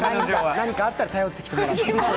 何かあったら頼ってきてもらって。